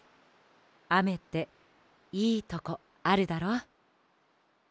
あめっていいとこあるだろ？